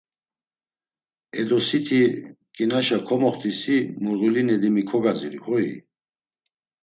E do, siti ǩinaşa komoxt̆isi Murğuli Nedimi kogaziru hoi?